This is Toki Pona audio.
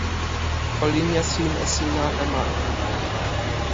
o linja sin e sina e ma.